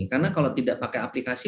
karena kalau tidak pakai aplikasi